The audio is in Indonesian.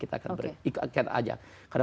kita akan ikutkan